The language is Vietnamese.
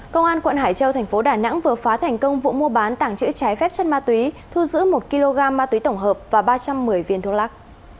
công an quận hải châu thành phố đà nẵng vừa phá thành công vụ mua bán tảng chữ trái phép chất ma túy thu giữ một kg ma túy tổng hợp và ba trăm một mươi viên thuốc lắc